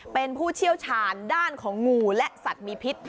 เป็นผู้เชี่ยวชาญด้านของงูและสัตว์มีพิษ